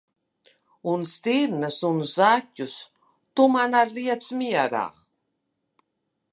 Un stirnas un zaķus tu man ar liec mierā!